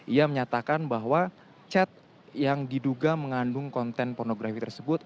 ia menyatakan bahwa chat yang diduga mengandung konten pornografi tersebut